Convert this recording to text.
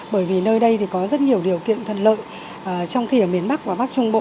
bởi vì nơi đây thì có rất nhiều điều kiện thuận lợi trong khi ở miền bắc và bắc trung bộ